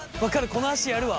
この足やるわ。